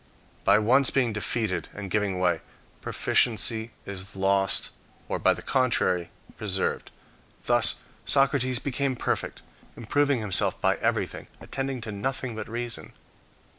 By once being defeated and giving way, proficiency is lost, or by the contrary preserved. Thus Socrates became perfect, improving himself by everything. attending to nothing but reason.